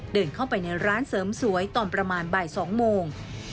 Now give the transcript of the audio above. เดินเข้าไปในร้านเสริมสวยตอนประมาณบ่าย๒โมง